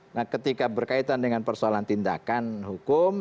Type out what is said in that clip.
nah ketika berkaitan dengan persoalan tindakan hukum